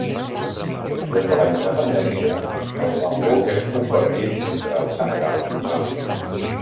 Des de la independència, el Bambouk és compartit entre el Senegal i Mali.